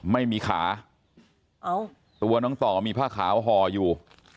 ไม่มีขาตัวน้องต่อมีผ้าขาวห่ออยู่